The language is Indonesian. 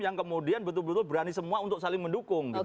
yang kemudian betul betul berani semua untuk saling mendukung gitu